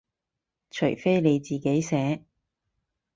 除非你自己寫